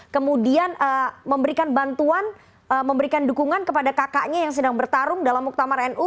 kemudian memberikan bantuan memberikan dukungan kepada kakaknya yang sedang bertarung dalam muktamar nu